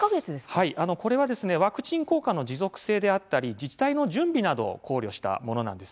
これはワクチン効果の持続性や自治体の準備などを考慮したものです。